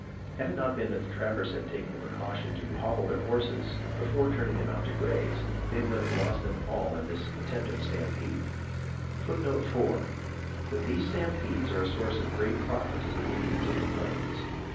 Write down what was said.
Had it not been that the trappers had taken the precaution to hobble their horses before turning them out to graze, they would have lost them all in this attempted stampede. [Footnote 4: These stampedes are a source of great profit to the Indians of the Plains.